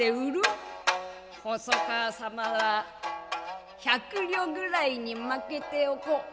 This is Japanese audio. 「細川様は１００両ぐらいにまけておこう」。